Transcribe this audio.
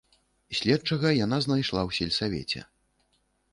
Следчага яна знайшла ў сельсавеце.